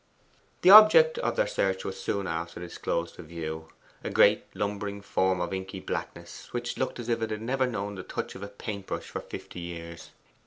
The object of their search was soon after disclosed to view a great lumbering form of inky blackness, which looked as if it had never known the touch of a paint brush for fifty years.